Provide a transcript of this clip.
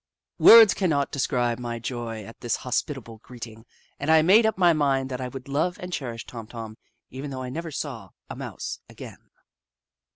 Words cannot de scribe my joy at this hospitable greeting, and I made up my mind that I would love and cherish Tom Tom, even though I never saw a Mouse again.